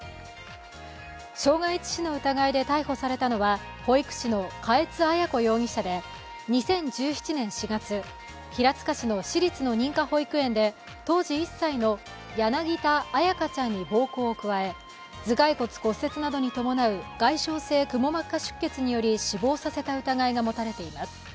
傷害致死の疑いで逮捕されたのは保育士の嘉悦彩子容疑者で２０１７年４月、平塚市の私立の認可保育園で当時１歳の柳田彩花ちゃんに暴行を加え頭蓋骨骨折などに伴う外傷性くも膜下出血により死亡させた疑いが持たれています。